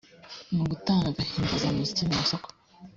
mu gutanga agahimbazamusyi amasoko